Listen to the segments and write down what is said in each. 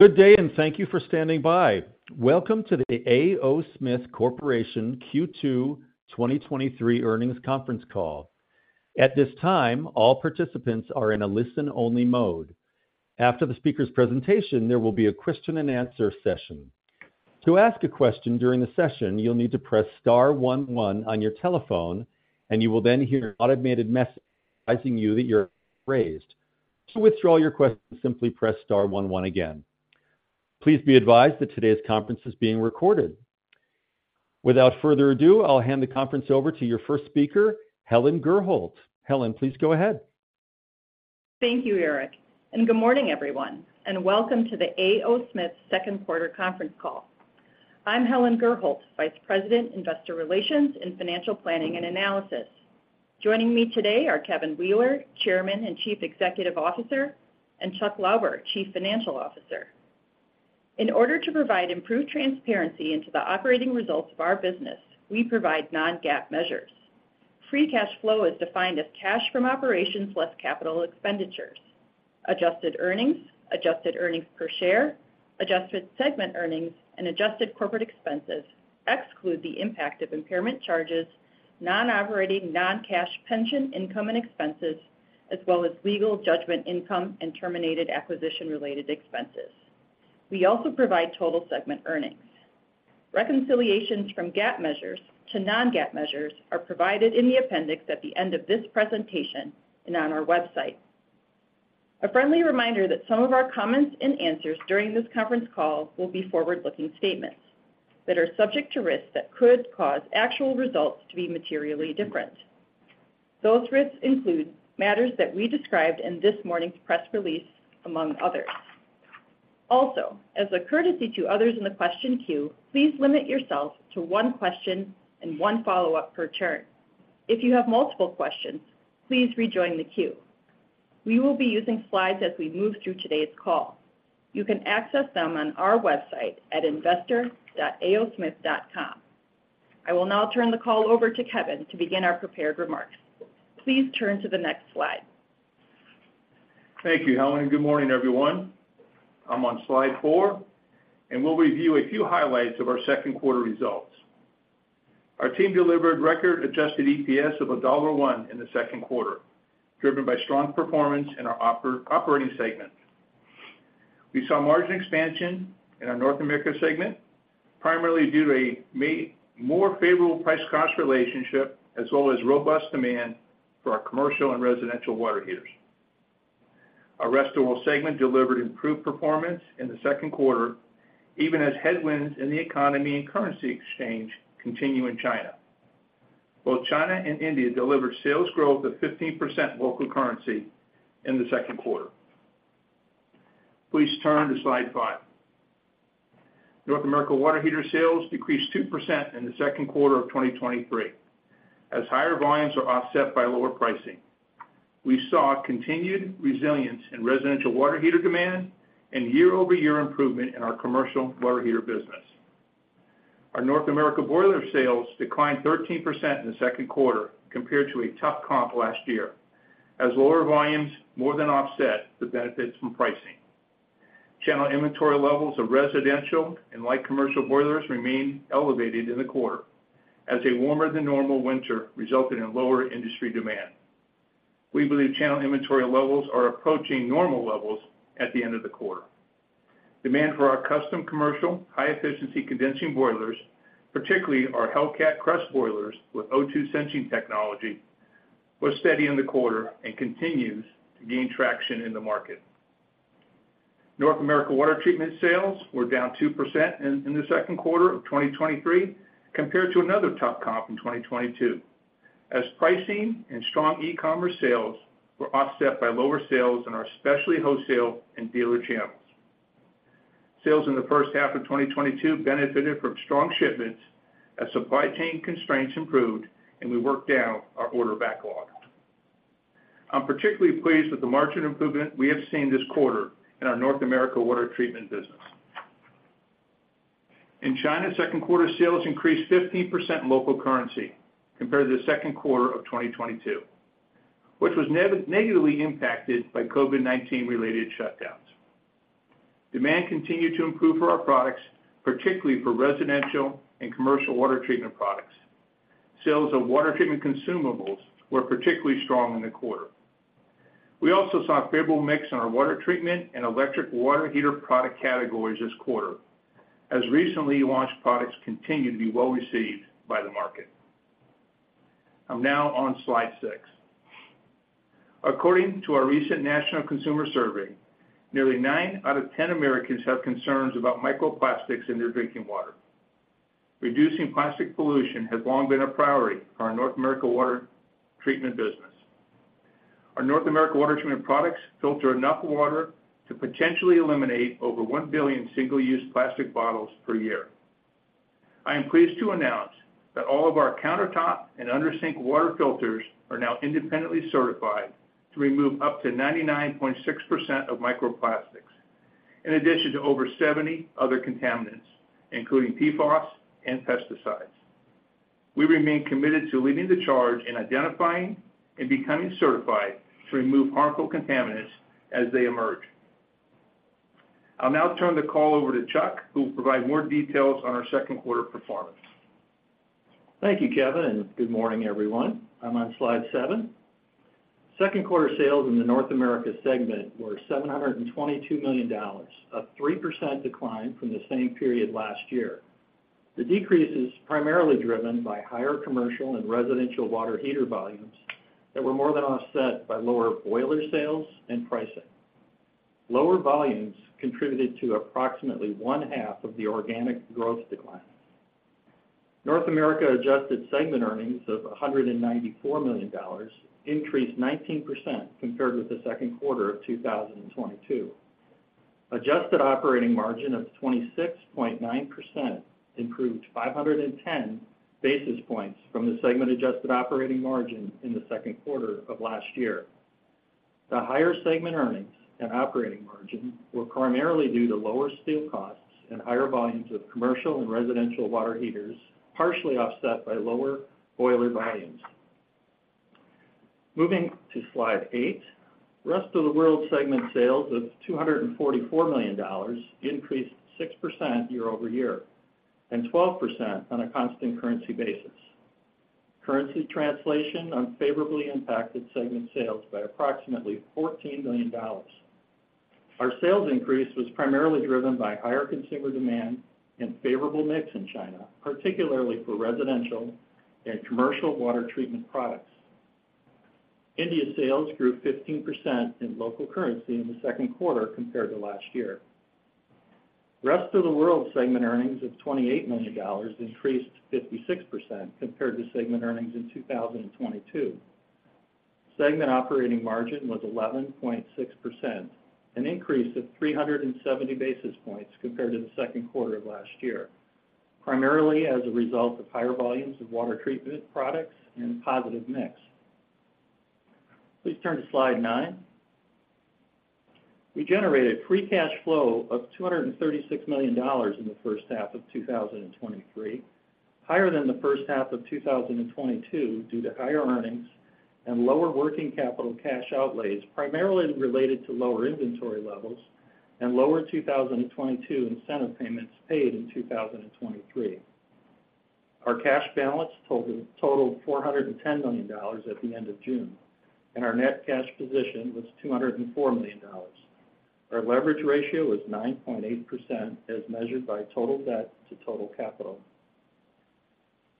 Good day, thank you for standing by. Welcome to the A. O. Smith Corporation Q2 2023 earnings conference call. At this time, all participants are in a listen-only mode. After the speaker's presentation, there will be a question-and-answer session. To ask a question during the session, you'll need to press star 11 on your telephone. You will then hear an automated message advising you that you're raised. To withdraw your question, simply press star 11 again. Please be advised that today's conference is being recorded. Without further ado, I'll hand the conference over to your first speaker, Helen Gurholt. Helen, please go ahead. Thank you, Eric. Good morning, everyone, and welcome to the A. O. Smith second quarter conference call. I'm Helen Gurholt, Vice President, Investor Relations and Financial Planning and Analysis. Joining me today are Kevin Wheeler, Chairman and Chief Executive Officer, and Chuck Lauber, Chief Financial Officer. In order to provide improved transparency into the operating results of our business, we provide non-GAAP measures. Free cash flow is defined as cash from operations less capital expenditures. Adjusted earnings, adjusted earnings per share, adjusted segment earnings, and adjusted corporate expenses exclude the impact of impairment charges, non-operating, non-cash pension income and expenses, as well as legal judgment income and terminated acquisition-related expenses. We also provide total segment earnings. Reconciliations from GAAP measures to non-GAAP measures are provided in the appendix at the end of this presentation and on our website. A friendly reminder that some of our comments and answers during this conference call will be forward-looking statements that are subject to risks that could cause actual results to be materially different. Those risks include matters that we described in this morning's press release, among others. Also, as a courtesy to others in the question queue, please limit yourself to one question and one follow-up per turn. If you have multiple questions, please rejoin the queue. We will be using slides as we move through today's call. You can access them on our website at investor.aosmith.com. I will now turn the call over to Kevin to begin our prepared remarks. Please turn to the next slide. Thank you, Helen. Good morning, everyone. I'm on slide 4, and we'll review a few highlights of our second quarter results. Our team delivered record adjusted EPS of $1.01 in the second quarter, driven by strong performance in our operating segment. We saw margin expansion in our North America segment, primarily due to a more favorable price-cost relationship, as well as robust demand for our commercial and residential water heaters. Our Rest of World segment delivered improved performance in the second quarter, even as headwinds in the economy and currency exchange continue in China. Both China and India delivered sales growth of 15% local currency in the second quarter. Please turn to slide 5. North America water heater sales decreased 2% in the second quarter of 2023, as higher volumes are offset by lower pricing. We saw continued resilience in residential water heater demand and year-over-year improvement in our commercial water heater business. Our North America boiler sales declined 13% in the second quarter compared to a tough comp last year, as lower volumes more than offset the benefits from pricing. Channel inventory levels of residential and light commercial boilers remained elevated in the quarter as a warmer than normal winter resulted in lower industry demand. We believe channel inventory levels are approaching normal levels at the end of the quarter. Demand for our custom commercial, high-efficiency condensing boilers, particularly our Hellcat CREST boilers with O2 sensing technology, was steady in the quarter and continues to gain traction in the market. North America water treatment sales were down 2% in the second quarter of 2023 compared to another tough comp in 2022, as pricing and strong e-commerce sales were offset by lower sales in our specialty wholesale and dealer channels. Sales in the first half of 2022 benefited from strong shipments as supply chain constraints improved. We worked down our order backlog. I'm particularly pleased with the margin improvement we have seen this quarter in our North America water treatment business. In China, second quarter sales increased 15% in local currency compared to the second quarter of 2022, which was negatively impacted by COVID-19 related shutdowns. Demand continued to improve for our products, particularly for residential and commercial water treatment products. Sales of water treatment consumables were particularly strong in the quarter. We also saw a favorable mix in our water treatment and electric water heater product categories this quarter, as recently launched products continue to be well received by the market. I'm now on slide 6. According to our recent national consumer survey, nearly 9 out of 10 Americans have concerns about microplastics in their drinking water. Reducing plastic pollution has long been a priority for our North America water treatment business. Our North America water treatment products filter enough water to potentially eliminate over 1 billion single-use plastic bottles per year. I am pleased to announce that all of our countertop and under-sink water filters are now independently certified to remove up to 99.6% of microplastics, in addition to over 70 other contaminants, including PFOS and pesticides.... We remain committed to leading the charge in identifying and becoming certified to remove harmful contaminants as they emerge. I'll now turn the call over to Chuck, who will provide more details on our second quarter performance. Thank you, Kevin. Good morning, everyone. I'm on slide 7. Second quarter sales in the North America segment were $722 million, a 3% decline from the same period last year. The decrease is primarily driven by higher commercial and residential water heater volumes that were more than offset by lower boiler sales and pricing. Lower volumes contributed to approximately one half of the organic growth decline. North America adjusted segment earnings of $194 million, increased 19% compared with the second quarter of 2022. Adjusted operating margin of 26.9% improved 510 basis points from the segment adjusted operating margin in the second quarter of last year. The higher segment earnings and operating margin were primarily due to lower steel costs and higher volumes of commercial and residential water heaters, partially offset by lower boiler volumes. Moving to slide eight, Rest of World segment sales of $244 million increased 6% year-over-year, and 12% on a constant currency basis. Currency translation unfavorably impacted segment sales by approximately $14 million. Our sales increase was primarily driven by higher consumer demand and favorable mix in China, particularly for residential and commercial water treatment products. India sales grew 15% in local currency in the second quarter compared to last year. Rest of World segment earnings of $28 million increased 56% compared to segment earnings in 2022. Segment operating margin was 11.6%, an increase of 370 basis points compared to the second quarter of last year, primarily as a result of higher volumes of water treatment products and positive mix. Please turn to slide 9. We generated free cash flow of $236 million in the first half of 2023, higher than the first half of 2022 due to higher earnings and lower working capital cash outlays, primarily related to lower inventory levels and lower 2022 incentive payments paid in 2023. Our cash balance totaled $410 million at the end of June, and our net cash position was $204 million. Our leverage ratio is 9.8%, as measured by total debt to total capital.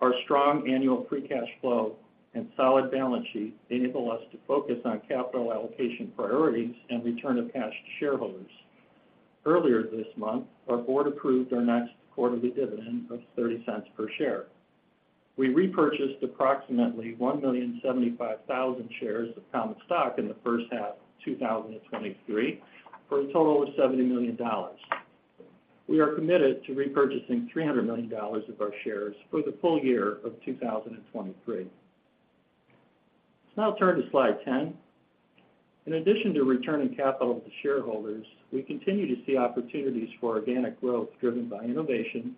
Our strong annual free cash flow and solid balance sheet enable us to focus on capital allocation priorities and return of cash to shareholders. Earlier this month, our board approved our next quarterly dividend of $0.30 per share. We repurchased approximately 1,075,000 shares of common stock in the first half of 2023, for a total of $70 million. We are committed to repurchasing $300 million of our shares for the full year of 2023. Let's now turn to slide 10. In addition to returning capital to shareholders, we continue to see opportunities for organic growth driven by innovation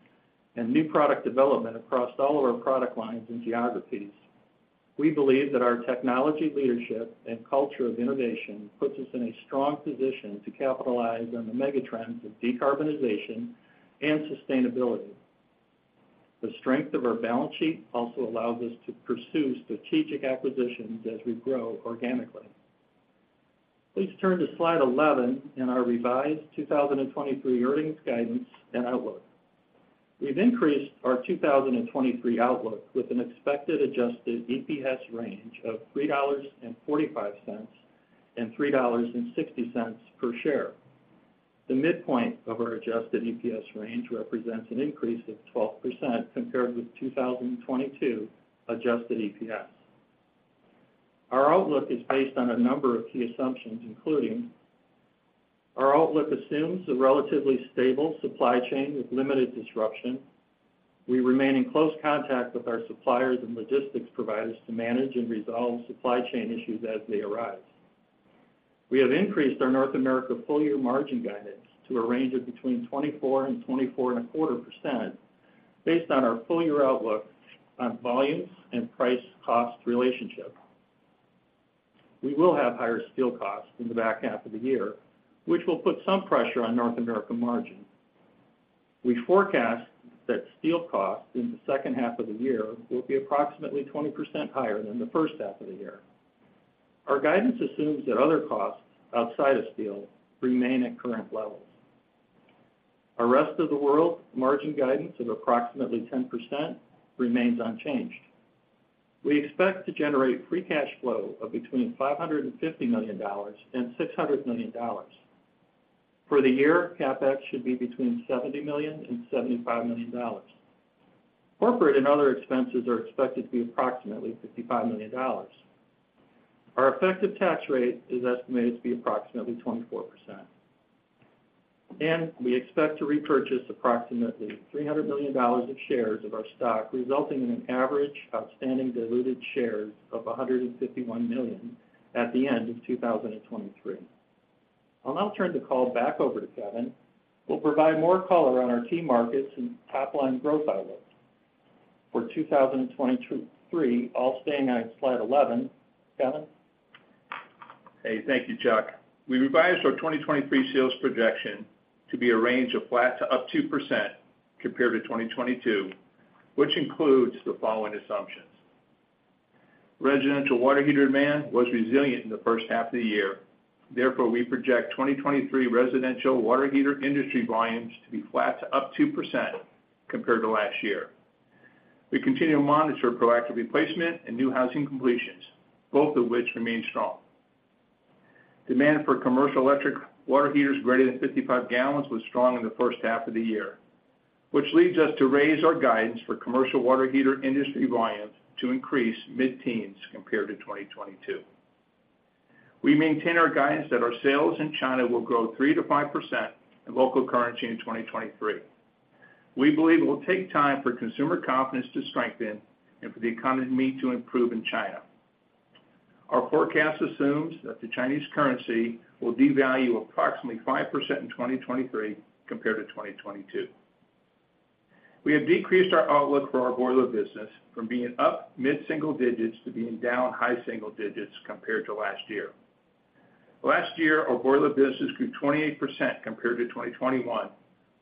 and new product development across all of our product lines and geographies. We believe that our technology leadership and culture of innovation puts us in a strong position to capitalize on the megatrends of decarbonization and sustainability. The strength of our balance sheet also allows us to pursue strategic acquisitions as we grow organically. Please turn to slide 11 in our revised 2023 earnings guidance and outlook. We've increased our 2023 outlook with an expected adjusted EPS range of $3.45-$3.60 per share. The midpoint of our adjusted EPS range represents an increase of 12% compared with 2022 adjusted EPS. Our outlook is based on a number of key assumptions, including: Our outlook assumes a relatively stable supply chain with limited disruption. We remain in close contact with our suppliers and logistics providers to manage and resolve supply chain issues as they arise. We have increased our North America full-year margin guidance to a range of between 24% and 24.25%, based on our full-year outlook on volumes and price cost relationship. We will have higher steel costs in the back half of the year, which will put some pressure on North America margin. We forecast that steel costs in the second half of the year will be approximately 20% higher than the first half of the year. Our guidance assumes that other costs outside of steel remain at current levels. Our Rest of the World margin guidance of approximately 10% remains unchanged. We expect to generate free cash flow of between $550 million and $600 million. For the year, CapEx should be between $70 million and $75 million. Corporate and other expenses are expected to be approximately $55 million. Our effective tax rate is estimated to be approximately 24%. We expect to repurchase approximately $300 million of shares of our stock, resulting in an average outstanding diluted shares of 151 million at the end of 2023. I'll now turn the call back over to Kevin, who will provide more color on our key markets and top-line growth outlook. For 2022 3, all staying on slide 11. Kevin? Hey, thank you, Chuck. We revised our 2023 sales projection to be a range of flat to up 2% compared to 2022, which includes the following assumptions: residential water heater demand was resilient in the first half of the year. We project 2023 residential water heater industry volumes to be flat to up 2% compared to last year. We continue to monitor proactive replacement and new housing completions, both of which remain strong. Demand for commercial electric water heaters greater than 55 gallons was strong in the first half of the year, which leads us to raise our guidance for commercial water heater industry volumes to increase mid-teens compared to 2022. We maintain our guidance that our sales in China will grow 3%-5% in local currency in 2023. We believe it will take time for consumer confidence to strengthen and for the economy to improve in China. Our forecast assumes that the Chinese currency will devalue approximately 5% in 2023 compared to 2022. We have decreased our outlook for our boiler business from being up mid-single digits to being down high single digits compared to last year. Last year, our boiler business grew 28% compared to 2021,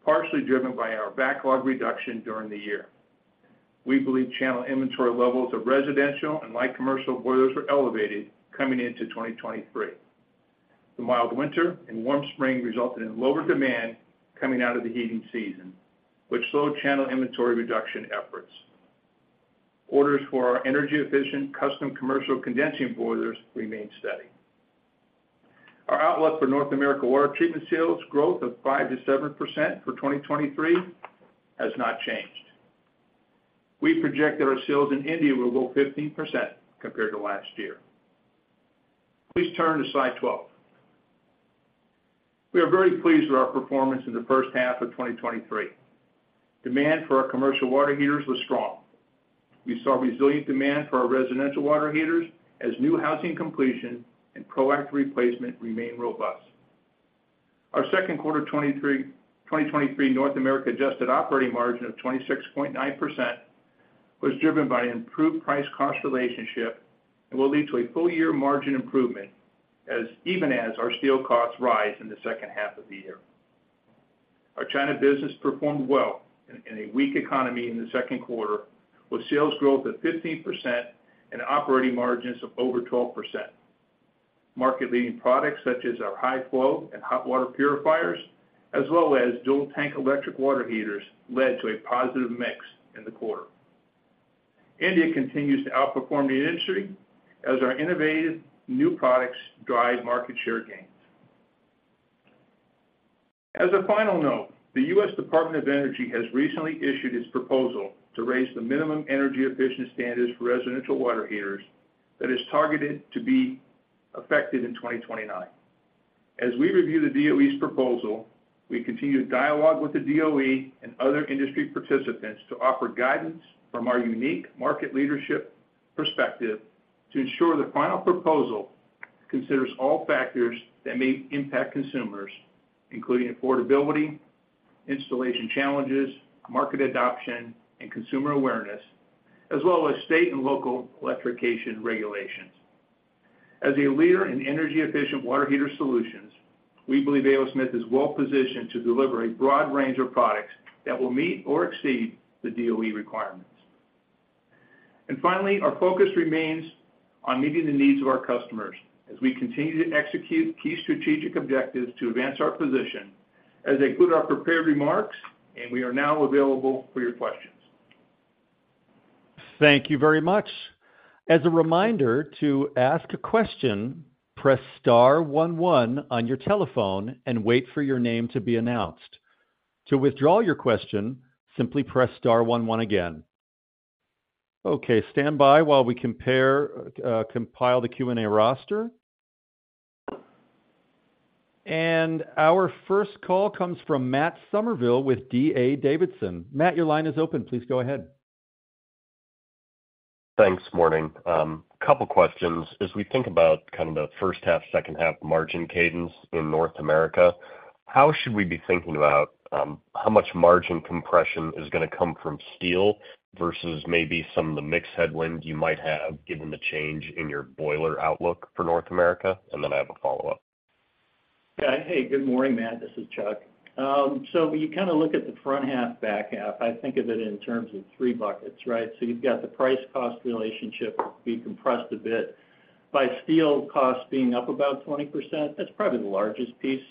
partially driven by our backlog reduction during the year. We believe channel inventory levels of residential and light commercial boilers were elevated coming into 2023. The mild winter and warm spring resulted in lower demand coming out of the heating season, which slowed channel inventory reduction efforts. Orders for our energy-efficient, custom commercial condensing boilers remain steady. Our outlook for North America water treatment sales growth of 5%-7% for 2023 has not changed. We project that our sales in India will grow 15% compared to last year. Please turn to slide 12. We are very pleased with our performance in the first half of 2023. Demand for our commercial water heaters was strong. We saw resilient demand for our residential water heaters as new housing completion and proactive replacement remain robust. Our second quarter 2023 North America adjusted operating margin of 26.9% was driven by improved price-cost relationship and will lead to a full-year margin improvement, even as our steel costs rise in the second half of the year. Our China business performed well in a weak economy in the second quarter, with sales growth of 15% and operating margins of over 12%. Market-leading products such as our high flow and hot water purifiers, as well as dual tank electric water heaters, led to a positive mix in the quarter. India continues to outperform the industry as our innovative new products drive market share gains. As a final note, the U.S. Department of Energy has recently issued its proposal to raise the minimum energy efficiency standards for residential water heaters that is targeted to be effective in 2029. As we review the DOE's proposal, we continue to dialogue with the DOE and other industry participants to offer guidance from our unique market leadership perspective to ensure the final proposal considers all factors that may impact consumers, including affordability, installation challenges, market adoption, and consumer awareness, as well as state and local electrification regulations. As a leader in energy-efficient water heater solutions, we believe A. O. Smith is well positioned to deliver a broad range of products that will meet or exceed the DOE requirements. Finally, our focus remains on meeting the needs of our customers as we continue to execute key strategic objectives to advance our position. As they conclude our prepared remarks, and we are now available for your questions. Thank you very much. As a reminder, to ask a question, press star 11 on your telephone and wait for your name to be announced. To withdraw your question, simply press star 11 again. Okay, stand by while we compare, compile the Q&A roster. Our first call comes from Matt Summerville with D.A. Davidson. Matt, your line is open. Please go ahead. Thanks. Morning. Couple questions. As we think about kind of the first half, second half margin cadence in North America, how should we be thinking about how much margin compression is gonna come from steel versus maybe some of the mix headwind you might have, given the change in your boiler outlook for North America? I have a follow-up. Yeah. Hey, good morning, Matt. This is Chuck. When you kind of look at the front half, back half, I think of it in terms of three buckets, right? You've got the price-cost relationship being compressed a bit by steel costs being up about 20%. That's probably the largest piece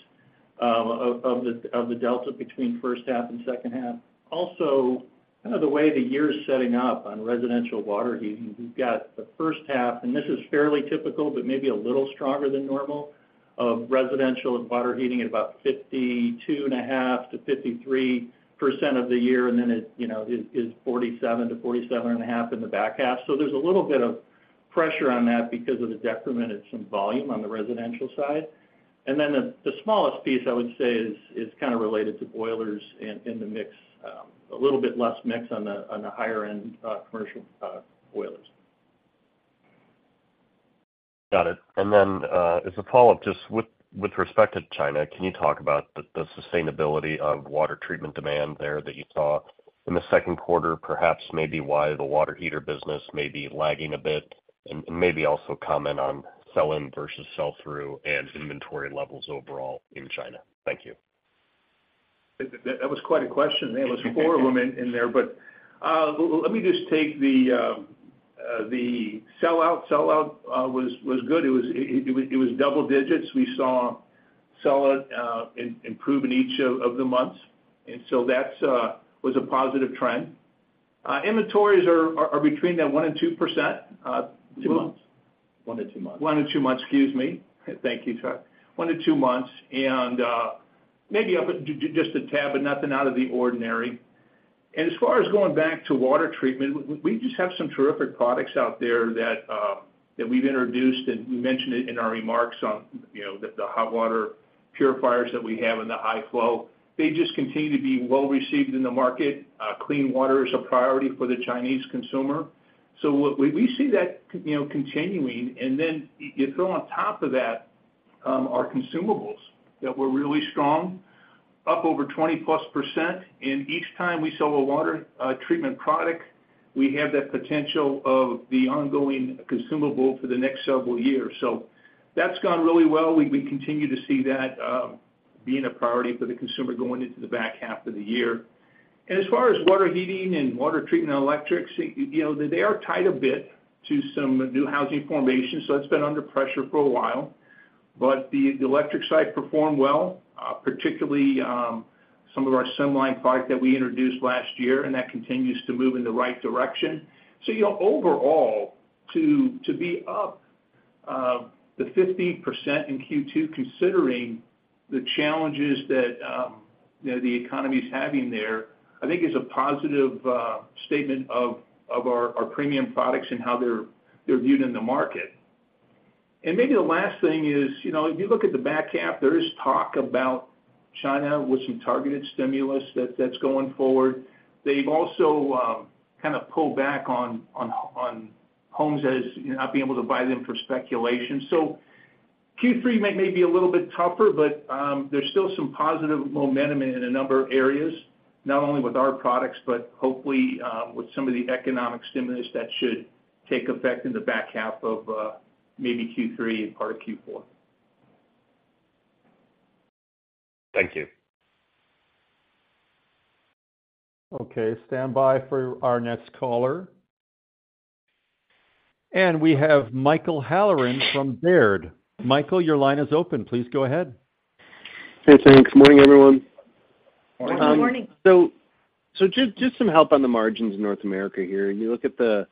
of the delta between first half and second half. Also, kind of the way the year is setting up on residential water heating, we've got the first half, and this is fairly typical, but maybe a little stronger than normal, of residential and water heating at about 52.5%-53% of the year, and then it, you know, is 47%-47.5% in the back half. There's a little bit of pressure on that because of the decrement in some volume on the residential side. Then the smallest piece, I would say, is kind of related to boilers and the mix. A little bit less mix on the higher end, commercial boilers. Got it. As a follow-up, just with respect to China, can you talk about the sustainability of water treatment demand there that you saw in the second quarter? Perhaps maybe why the water heater business may be lagging a bit, and maybe also comment on sell-in versus sell-through and inventory levels overall in China. Thank you. That was quite a question there. There was 4 of them in there. Let me just take the sellout. Sellout was good. It was double digits. We saw sellout improve in each of the months, that's was a positive trend. Inventories are between that 1 and 2%, 2 months? One to two months. 1-2 months, excuse me. Thank you, Chuck. 1-2 months, Maybe up just a tab, but nothing out of the ordinary. As far as going back to water treatment, we just have some terrific products out there that we've introduced, and we mentioned it in our remarks on, you know, the hot water purifiers that we have in the high flow. They just continue to be well received in the market. Clean water is a priority for the Chinese consumer. we see that, you know, continuing, and then you, you throw on top of that, our consumables that were really strong, up over 20+%. Each time we sell a water treatment product, we have that potential of the ongoing consumable for the next several years. That's gone really well. We continue to see that being a priority for the consumer going into the back half of the year. As far as water heating and water treatment and electrics, you know, they are tied a bit to some new housing formation, that's been under pressure for a while. The electric side performed well, particularly some of our Sunline product that we introduced last year, and that continues to move in the right direction. You know, overall, to be up the 15% in Q2, considering the challenges that, you know, the economy is having there, I think is a positive statement of our premium products and how they're viewed in the market. Maybe the last thing is, you know, if you look at the back half, there is talk about China with some targeted stimulus that's going forward. They've also kind of pulled back on homes as, you know, not being able to buy them for speculation. Q3 may be a little bit tougher, but there's still some positive momentum in a number of areas, not only with our products, but hopefully with some of the economic stimulus that should take effect in the back half of maybe Q3 and part of Q4. Thank you. Okay, stand by for our next caller. We have Michael Halloran from Baird. Michael, your line is open. Please go ahead. Hey, thanks. Good morning, everyone. Good morning. Good morning. Just some help on the margins in North America here. You look at the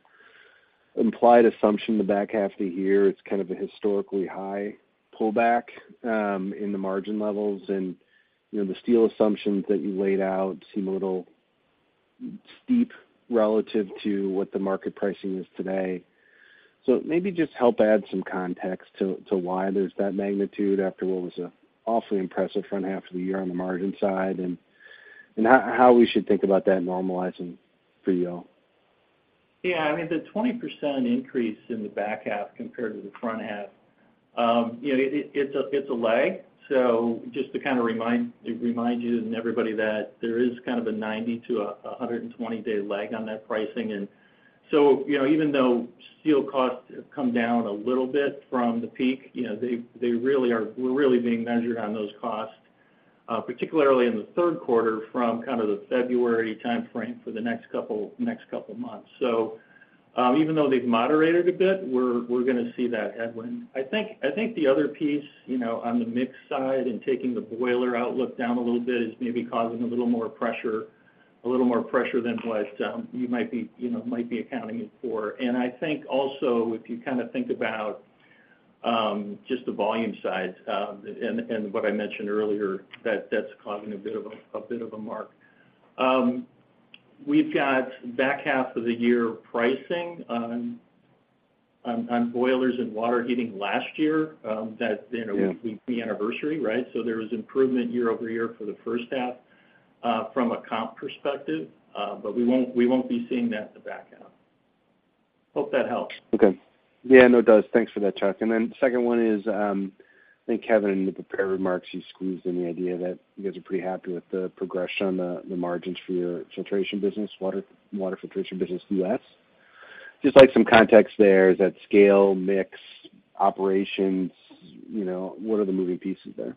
implied assumption in the back half of the year, it's kind of a historically high pullback in the margin levels. You know, the steel assumptions that you laid out seem a little steep relative to what the market pricing is today. Maybe just help add some context to why there's that magnitude after what was an awfully impressive front half of the year on the margin side, and how we should think about that normalizing for you all? I mean, the 20% increase in the back half compared to the front half, you know, it's a lag. Just to kind of remind you and everybody that there is kind of a 90 to 120 day lag on that pricing. You know, even though steel costs have come down a little bit from the peak, we're really being measured on those costs, particularly in the third quarter from kind of the February timeframe for the next couple of months. Even though they've moderated a bit, we're gonna see that headwind. I think the other piece, you know, on the mix side and taking the boiler outlook down a little bit is maybe causing a little more pressure than what you might be, you know, might be accounting for. I think also, if you kind of think about just the volume side, and what I mentioned earlier, that that's causing a bit of a mark. We've got back half of the year pricing on boilers and water heating last year, that you know. Yeah... we anniversary, right? There was improvement year-over-year for the first half, from a comp perspective, but we won't be seeing that in the back half. Hope that helps. Okay. Yeah, no, it does. Thanks for that, Chuck. The second one is, I think, Kevin, in the prepared remarks, you squeezed in the idea that you guys are pretty happy with the progression on the, the margins for your filtration business, water filtration business in the U.S. Just like some context there, is that scale, mix, operations, you know, what are the moving pieces there?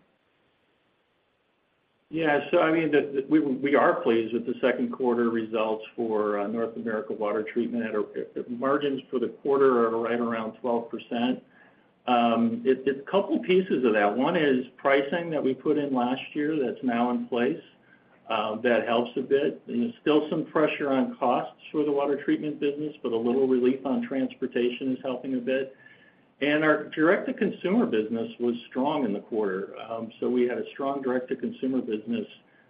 I mean, we are pleased with the second quarter results for North America Water Treatment. The margins for the quarter are right around 12%. It's a couple pieces of that. One is pricing that we put in last year that's now in place that helps a bit. There's still some pressure on costs for the water treatment business, but a little relief on transportation is helping a bit. Our direct-to-consumer business was strong in the quarter. We had a strong direct-to-consumer business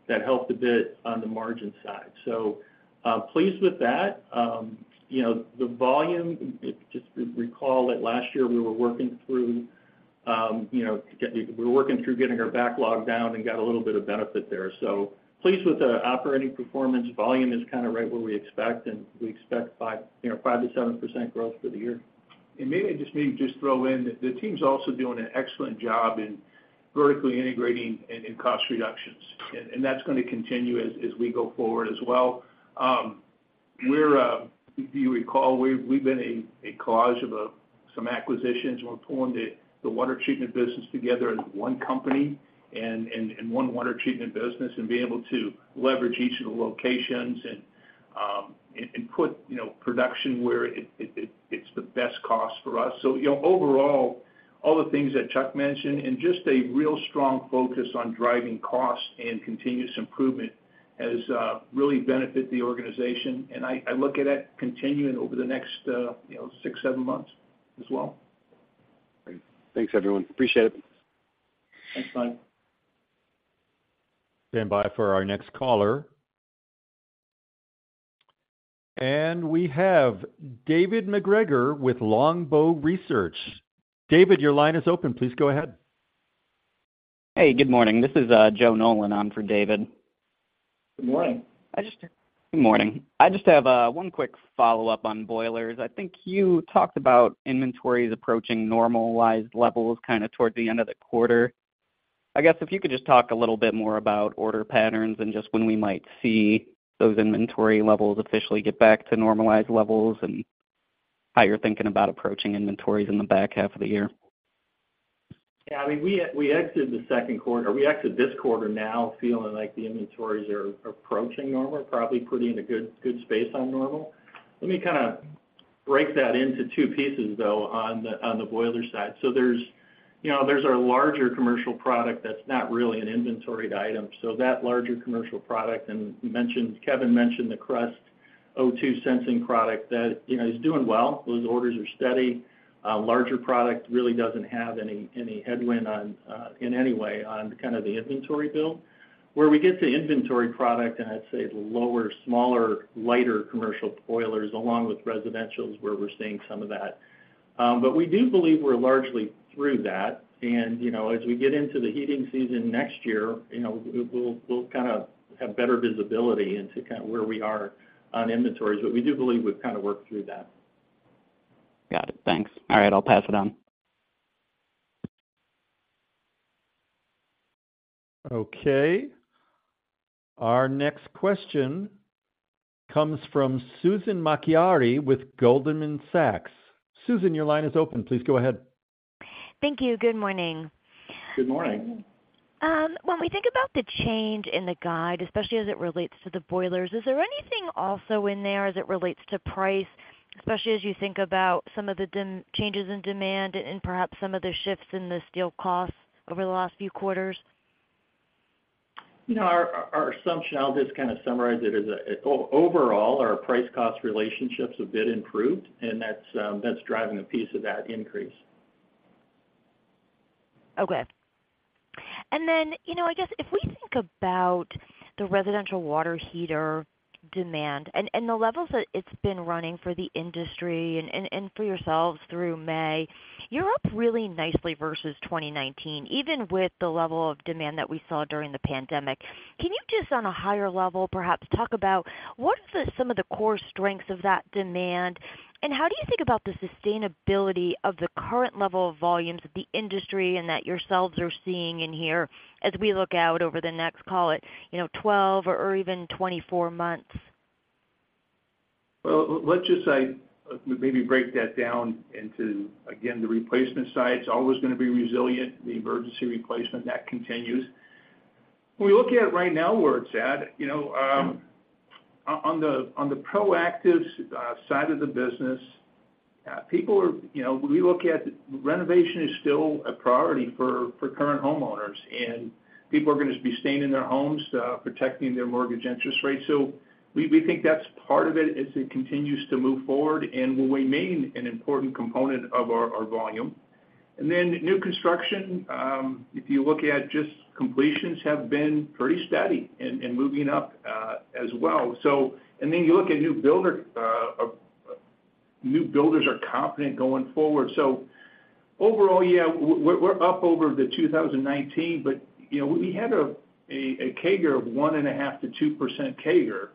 that helped a bit on the margin side. Pleased with that. you know, the volume, just recall that last year, we were working through,... you know, we're working through getting our backlog down and got a little bit of benefit there. Pleased with the operating performance. Volume is kind of right where we expect. We expect 5, you know, 5% to 7% growth for the year. Maybe I just throw in, the team's also doing an excellent job in vertically integrating and in cost reductions, and that's gonna continue as we go forward as well. We're, if you recall, we've been a cause of some acquisitions. We're pulling the water treatment business together as one company and one water treatment business, and being able to leverage each of the locations and put, you know, production where it's the best cost for us. You know, overall, all the things that Chuck mentioned, and just a real strong focus on driving costs and continuous improvement has really benefited the organization. I look at that continuing over the next, you know, 6, 7 months as well. Great. Thanks, everyone. Appreciate it. Thanks, Mike. Stand by for our next caller. We have David MacGregor with Longbow Research. David, your line is open. Please go ahead. Hey, good morning. This is Joe Nolan on for David. Good morning. Good morning. I just have one quick follow-up on boilers. I think you talked about inventories approaching normalized levels, kind of toward the end of the quarter. I guess if you could just talk a little bit more about order patterns and just when we might see those inventory levels officially get back to normalized levels, and how you're thinking about approaching inventories in the back half of the year? Yeah, I mean, we exited this quarter now feeling like the inventories are approaching normal, probably pretty in a good space on normal. Let me kind of break that into 2 pieces, though, on the boiler side. There's, you know, there's our larger commercial product that's not really an inventoried item. That larger commercial product, and Kevin mentioned the CREST O2 sensing product that, you know, is doing well. Those orders are steady. Larger product really doesn't have any headwind in any way on kind of the inventory build. Where we get to inventory product, I'd say the lower, smaller, lighter commercial boilers, along with residentials, where we're seeing some of that. We do believe we're largely through that. you know, as we get into the heating season next year, you know, we'll kind of have better visibility into kind of where we are on inventories. We do believe we've kind of worked through that. Got it. Thanks. All right, I'll pass it on. Okay. Our next question comes from Susan Maklari with Goldman Sachs. Susan, your line is open. Please go ahead. Thank you. Good morning. Good morning. When we think about the change in the guide, especially as it relates to the boilers, is there anything also in there as it relates to price, especially as you think about some of the changes in demand and perhaps some of the shifts in the steel costs over the last few quarters? You know, our, our assumption, I'll just kind of summarize it, is, overall, our price-cost relationship's a bit improved, and that's driving a piece of that increase. Okay. You know, I guess, if we think about the residential water heater demand and the levels that it's been running for the industry and for yourselves through May, you're up really nicely versus 2019, even with the level of demand that we saw during the pandemic. Can you just on a higher level, perhaps, talk about what are the some of the core strengths of that demand, and how do you think about the sustainability of the current level of volumes that the industry and that yourselves are seeing in here as we look out over the next, call it, you know, 12 or even 24 months? Let's just say, maybe break that down into, again, the replacement side. It's always gonna be resilient, the emergency replacement, that continues. We look at it right now, where it's at, you know, on the proactive side of the business. You know, we look at renovation is still a priority for current homeowners, and people are gonna just be staying in their homes, protecting their mortgage interest rate. We think that's part of it as it continues to move forward and will remain an important component of our volume. New construction, if you look at just completions have been pretty steady and moving up as well. You look at new builder, new builders are confident going forward. Overall, yeah, we're, we're up over the 2019, but, you know, we had a CAGR of 1.5%-2% CAGR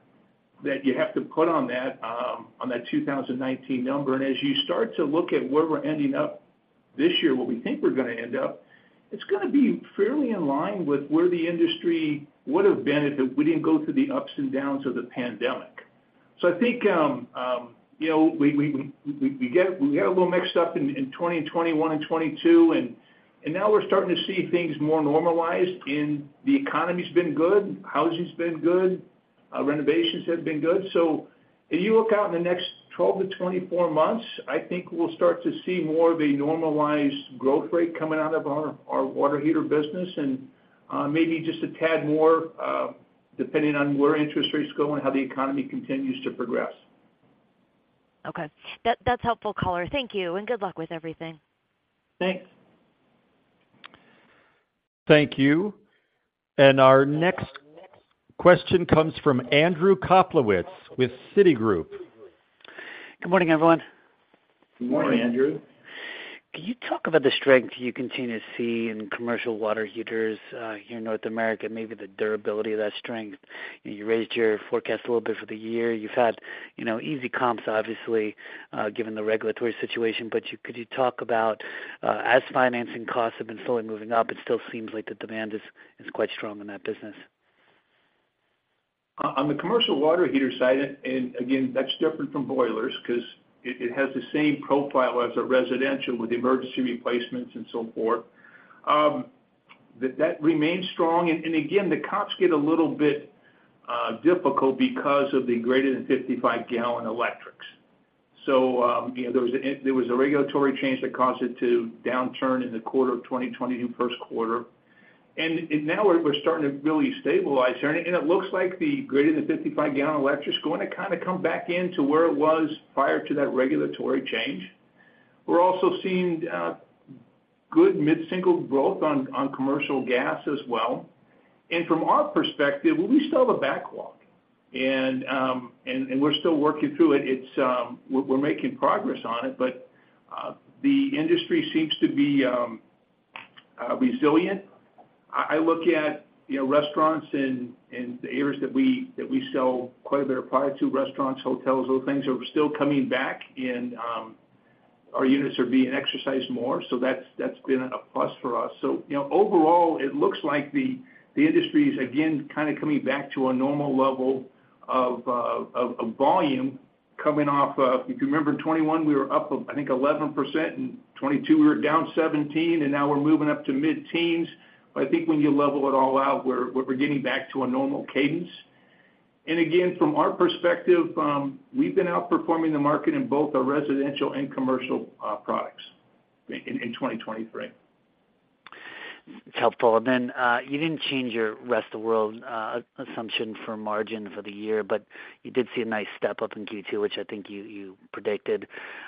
that you have to put on that, on that 2019 number. As you start to look at where we're ending up this year, where we think we're gonna end up, it's gonna be fairly in line with where the industry would have been if we didn't go through the ups and downs of the pandemic. I think, you know, we get a little mixed up in 2020, 2021, and 2022, and now we're starting to see things more normalized, and the economy's been good, housing's been good, renovations have been good. If you look out in the next 12-24 months, I think we'll start to see more of a normalized growth rate coming out of our water heater business and maybe just a tad more, depending on where interest rates go and how the economy continues to progress. Okay. That's helpful color. Thank you, and good luck with everything. Thanks. Thank you. Our next question comes from Andrew Kaplowitz with Citigroup. Good morning, everyone. Good morning, Andrew. Can you talk about the strength you continue to see in commercial water heaters, here in North America, maybe the durability of that strength? You raised your forecast a little bit for the year. You've had, you know, easy comps, obviously, given the regulatory situation. Could you talk about, as financing costs have been slowly moving up, it still seems like the demand is quite strong in that business. On the commercial water heater side, and again, that's different from boilers because it has the same profile as a residential with emergency replacements and so forth, that remains strong. Again, the comps get a little bit difficult because of the greater than 55 gallon electrics. You know, there was a regulatory change that caused it to downturn in the quarter of 2020, in first quarter. Now we're starting to really stabilize, and it looks like the greater than 55 gallon electric is going to kind of come back in to where it was prior to that regulatory change. We're also seeing good mid-single growth on commercial gas as well. From our perspective, we still have a backlog and, and we're still working through it. It's, we're making progress on it, but the industry seems to be resilient. I look at, you know, restaurants in the areas that we sell quite a bit of product to restaurants, hotels, those things are still coming back and our units are being exercised more. That's been a plus for us. You know, overall, it looks like the industry is, again, kind of coming back to a normal level of volume coming off of. If you remember, 2021, we were up, I think, 11%, and 2022, we were down 17%, and now we're moving up to mid-teens. I think when you level it all out, we're getting back to a normal cadence. Again, from our perspective, we've been outperforming the market in both our residential and commercial products in 2023. It's helpful. You didn't change your Rest of World assumption for margin for the year, you did see a nice step up in Q2, which I think you predicted.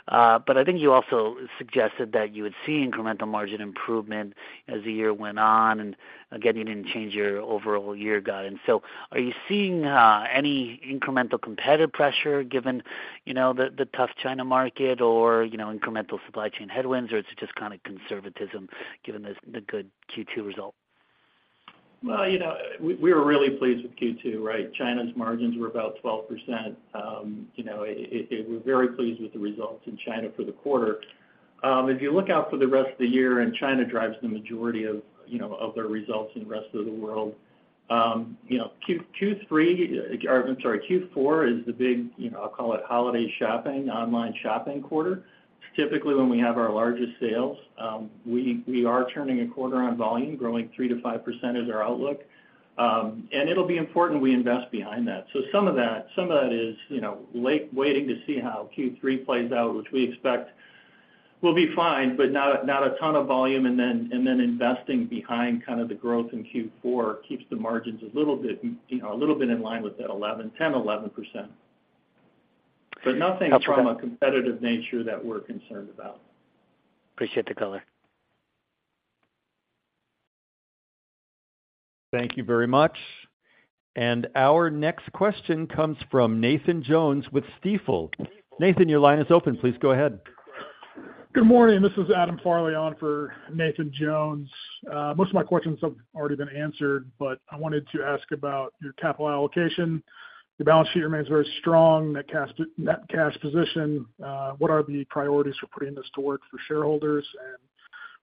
I think you also suggested that you would see incremental margin improvement as the year went on, and again, you didn't change your overall year guidance. Are you seeing any incremental competitive pressure given, you know, the tough China market or, you know, incremental supply chain headwinds, or is it just kind of conservatism given the good Q2 result? Well, you know, we were really pleased with Q2, right? China's margins were about 12%. You know, we're very pleased with the results in China for the quarter. If you look out for the rest of the year, China drives the majority of, you know, of their results in the Rest of World, you know, Q3, or I'm sorry, Q4 is the big, you know, I'll call it holiday shopping, online shopping quarter. Typically, when we have our largest sales, we are turning a quarter on volume, growing 3%-5% is our outlook. It'll be important we invest behind that. Some of that is, you know, waiting to see how Q3 plays out, which we expect will be fine, but not a ton of volume. Investing behind kind of the growth in Q4 keeps the margins a little bit, you know, a little bit in line with that 11, 10, 11%. Nothing from a competitive nature that we're concerned about. Appreciate the color. Thank you very much. Our next question comes from Nathan Jones with Stifel. Nathan, your line is open. Please go ahead. Good morning. This is Adam Farley on for Nathan Jones. Most of my questions have already been answered, but I wanted to ask about your capital allocation. Your balance sheet remains very strong, net cash position. What are the priorities for putting this to work for shareholders?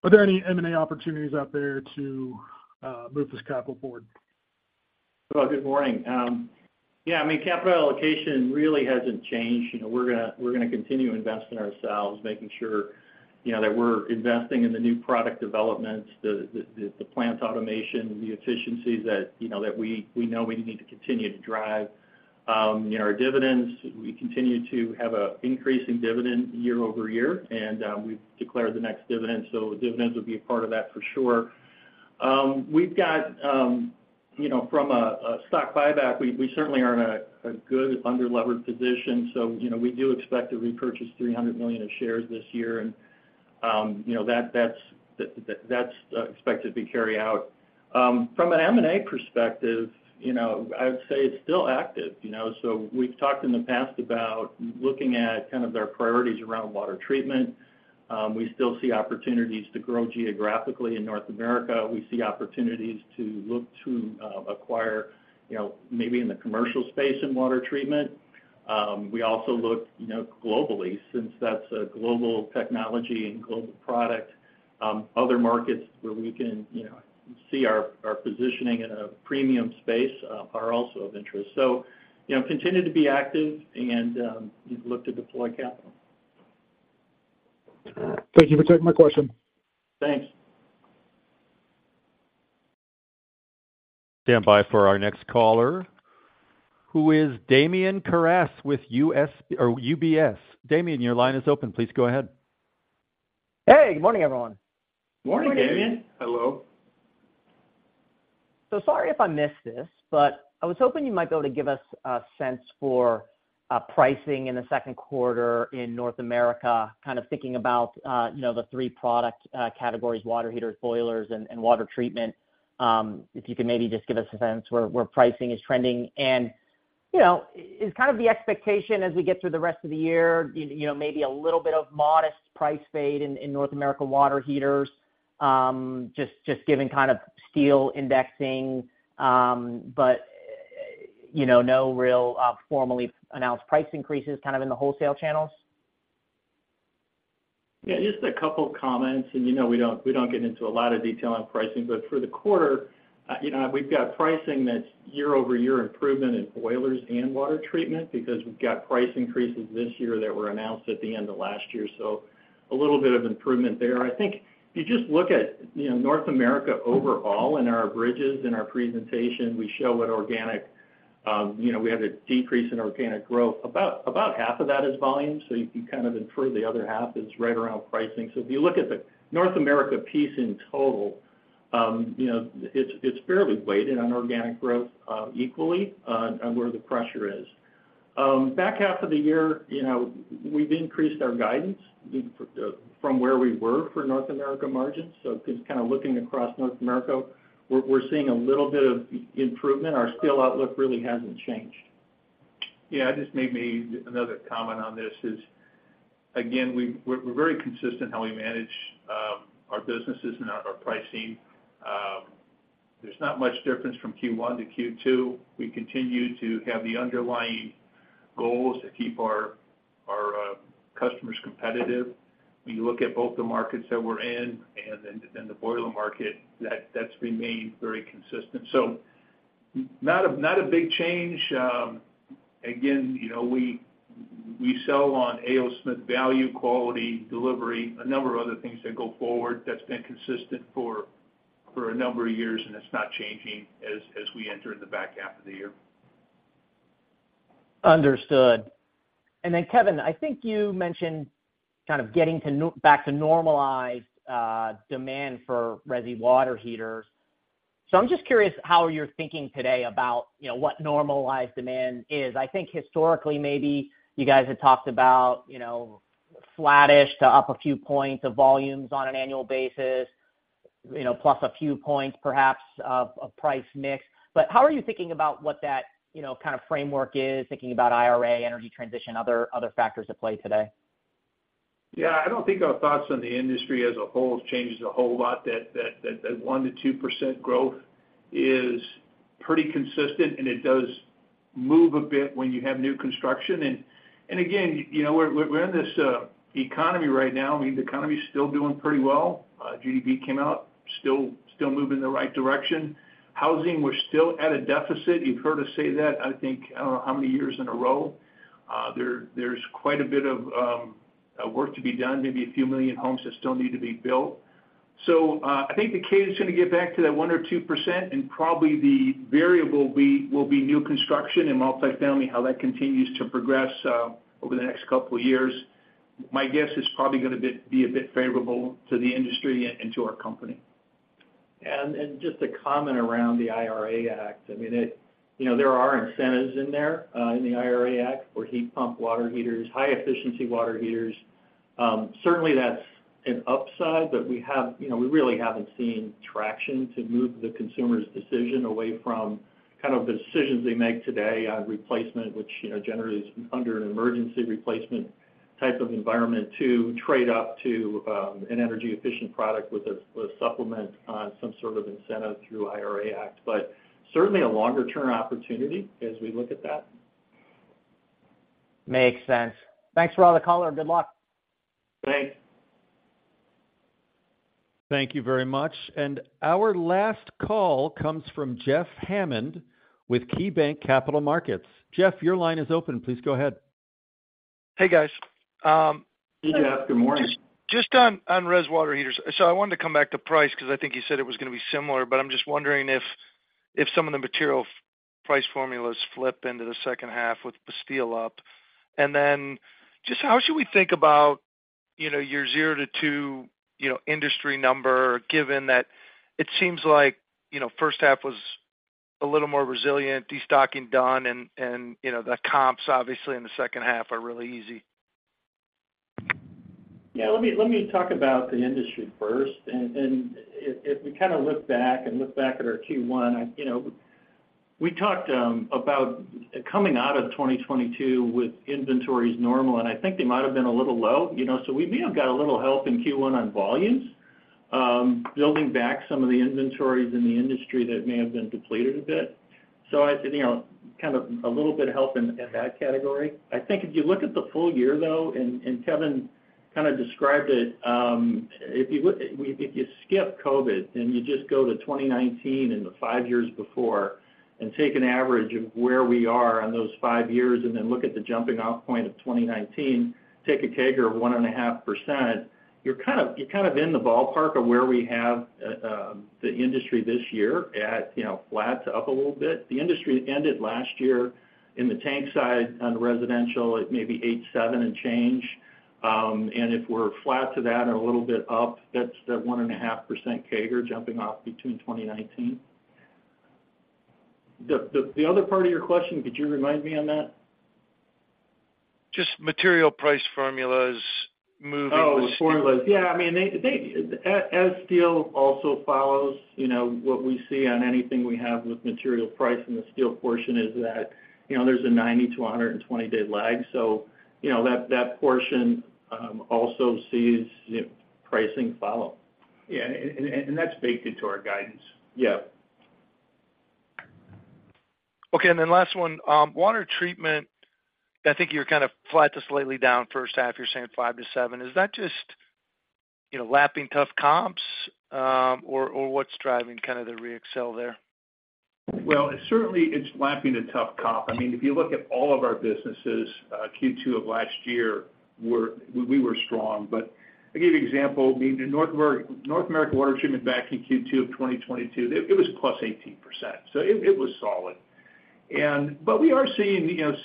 Are there any M&A opportunities out there to move this capital forward? Well, good morning. Yeah, I mean, capital allocation really hasn't changed. You know, we're going to continue investing in ourselves, making sure, you know, that we're investing in the new product developments, the plant automation, the efficiencies that, you know, that we, we know we need to continue to drive. You know, our dividends, we continue to have an increase in dividend year-over-year, and we've declared the next dividend, dividends will be a part of that for sure. We've got, you know, from a stock buyback, we, we certainly are in a good under-levered position. You know, we do expect to repurchase $300 million of shares this year. You know, that's expected to be carry out. From an M&A perspective, you know, I would say it's still active, you know. We've talked in the past about looking at kind of our priorities around water treatment. We still see opportunities to grow geographically in North America. We see opportunities to look to acquire, you know, maybe in the commercial space in water treatment. We also look, you know, globally, since that's a global technology and global product, other markets where we can, you know, see our positioning in a premium space are also of interest. You know, continue to be active and look to deploy capital. Thank you for taking my question. Thanks. Stand by for our next caller, who is Damian Karas with UBS. Damian, your line is open. Please go ahead. Hey, good morning, everyone. Morning, Damian. Hello. Sorry if I missed this, but I was hoping you might be able to give us a sense for pricing in the second quarter in North America, kind of thinking about, you know, the three product categories, water heaters, boilers, and water treatment. You know, if you could maybe just give us a sense where pricing is trending. You know, is kind of the expectation as we get through the rest of the year, you know, maybe a little bit of modest price fade in North America water heaters, just giving kind of steel indexing, but, you know, no real formally announced price increases kind of in the wholesale channels? Just a couple comments, you know we don't get into a lot of detail on pricing. For the quarter, you know, we've got pricing that's year-over-year improvement in boilers and water treatment because we've got price increases this year that were announced at the end of last year. A little bit of improvement there. I think if you just look at, you know, North America overall in our bridges, in our presentation, we show what organic, you know, we have a decrease in organic growth. About half of that is volume, so you can kind of infer the other half is right around pricing. If you look at the North America piece in total, you know, it's fairly weighted on organic growth equally on where the pressure is. back half of the year, you know, we've increased our guidance from where we were for North America margins. Just kind of looking across North America, we're seeing a little bit of improvement. Our steel outlook really hasn't changed. I'll just maybe another comment on this is, again, we're very consistent how we manage our businesses and our pricing. There's not much difference from Q1 to Q2. We continue to have the underlying goals to keep our customers competitive. When you look at both the markets that we're in and then the boiler market, that's remained very consistent. Not a big change. Again, you know, we sell on A. O. Smith value, quality, delivery, a number of other things that go forward that's been consistent for a number of years, and it's not changing as we enter the back half of the year. Understood. Kevin, I think you mentioned kind of getting back to normalized demand for resi water heaters. I'm just curious how you're thinking today about, you know, what normalized demand is. I think historically, maybe you guys had talked about, you know, flattish to up a few points of volumes on an annual basis, you know, plus a few points, perhaps, of price mix. How are you thinking about what that, you know, kind of framework is, thinking about IRA, energy transition, other factors at play today? Yeah, I don't think our thoughts on the industry as a whole has changed a whole lot, that 1% to 2% growth is pretty consistent, it does move a bit when you have new construction. Again, you know, we're in this economy right now. I mean, the economy is still doing pretty well. GDP came out, still moving in the right direction. Housing, we're still at a deficit. You've heard us say that, I think, I don't know how many years in a row. There's quite a bit of work to be done, maybe a few million homes that still need to be built. I think the case is going to get back to that 1% or 2%, and probably the variable will be new construction and multifamily, how that continues to progress over the next couple of years. My guess is probably going to be a bit favorable to the industry and to our company. Just a comment around the IRA Act. You know, there are incentives in there in the IRA Act for heat pump water heaters, high-efficiency water heaters. Certainly that's an upside, we have, you know, we really haven't seen traction to move the consumer's decision away from kind of the decisions they make today on replacement, which, you know, generally is under an emergency replacement type of environment, to trade up to an energy-efficient product with a, with a supplement on some sort of incentive through IRA Act. Certainly a longer-term opportunity as we look at that. Makes sense. Thanks for all the color, and good luck. Thanks. Thank you very much. Our last call comes from Jeff Hammond with KeyBanc Capital Markets. Jeff, your line is open. Please go ahead. Hey, guys. Hey, Jeff. Good morning. Just on res water heaters. I wanted to come back to price because I think you said it was going to be similar, but I'm just wondering if some of the material price formulas flip into the second half with the steel up. Just how should we think about, you know, your 0%-2%, you know, industry number, given that it seems like, you know, first half was a little more resilient, destocking done, and, you know, the comps obviously in the second half are really easy? Yeah, let me talk about the industry first. If we kind of look back at our Q1, you know, we talked about coming out of 2022 with inventories normal, I think they might have been a little low, you know. We may have got a little help in Q1 on volumes, building back some of the inventories in the industry that may have been depleted a bit. I think, you know, kind of a little bit of help in that category. I think if you look at the full year, though, and, and Kevin kind of described it, if you skip COVID, and you just go to 2019 and the 5 years before and take an average of where we are on those 5 years, and then look at the jumping off point of 2019, take a CAGR of 1.5%, you're kind of in the ballpark of where we have the industry this year at, you know, flat to up a little bit. The industry ended last year in the tank side on residential at maybe eight seven and change. If we're flat to that or a little bit up, that's the 1.5% CAGR jumping off between 2019. The other part of your question, could you remind me on that? Just material price formulas moving-. Oh, formulas. Yeah, I mean, they, as steel also follows, you know, what we see on anything we have with material price in the steel portion is that, you know, there's a 90 to 120 day lag. You know, that portion also sees pricing follow. Yeah, that's baked into our guidance. Yeah. Okay. Last one, water treatment, I think you're kind of flat to slightly down first half, you're saying 5-7. Is that just, you know, lapping tough comps, or what's driving kind of the re-accel there? Well, certainly it's lapping a tough comp. I mean, if you look at all of our businesses, Q2 of last year we were strong. I'll give you an example. I mean, North American Water Treatment back in Q2 of 2022, it was +18%, so it was solid. We are seeing, you know,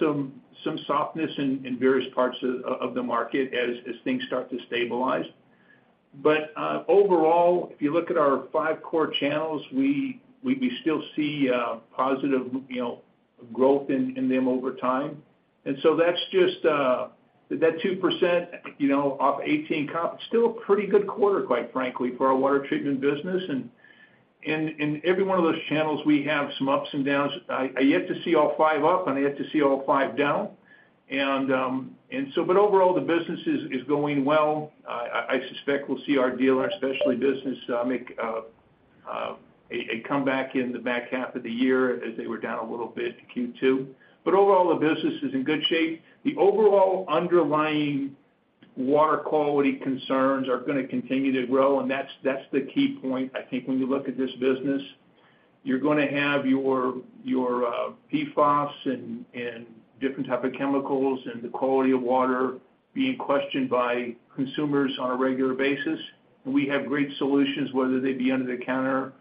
some softness in various parts of the market as things start to stabilize. Overall, if you look at our five core channels, we still see positive, you know, growth in them over time. That's just that 2%, you know, off 18 comp, still a pretty good quarter, quite frankly, for our water treatment business. And every one of those channels, we have some ups and downs. I yet to see all 5 up, and I yet to see all 5 down. But overall, the business is going well. I suspect we'll see our dealer, especially business, make a comeback in the back half of the year as they were down a little bit in Q2. But overall, the business is in good shape. The overall underlying water quality concerns are gonna continue to grow, and that's the key point, I think when you look at this business. You're gonna have your PFAS and different type of chemicals, and the quality of water being questioned by consumers on a regular basis. We have great solutions, whether they be under the counter,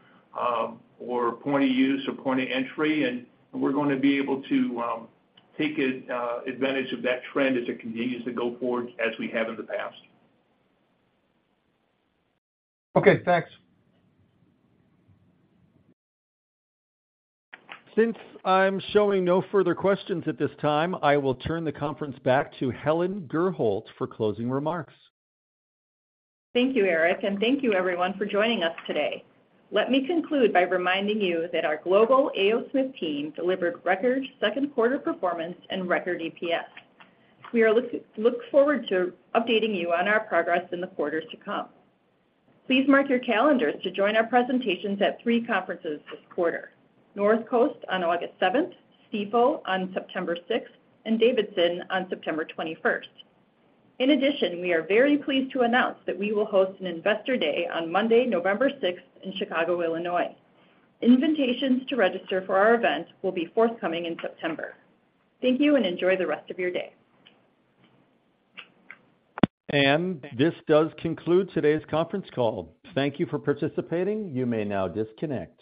or point of use or point of entry, and we're gonna be able to take advantage of that trend as it continues to go forward, as we have in the past. Okay, thanks. Since I'm showing no further questions at this time, I will turn the conference back to Helen Gurholt for closing remarks. Thank you, Eric, and thank you everyone for joining us today. Let me conclude by reminding you that our global A. O. Smith team delivered record second quarter performance and record EPS. We look forward to updating you on our progress in the quarters to come. Please mark your calendars to join our presentations at three conferences this quarter: Northcoast on August 7th, STEO on September 6th, and D.A. Davidson on September 21st. In addition, we are very pleased to announce that we will host an Investor Day on Monday, November 6th, in Chicago, Illinois. Invitations to register for our event will be forthcoming in September. Thank you, and enjoy the rest of your day. This does conclude today's conference call. Thank you for participating. You may now disconnect.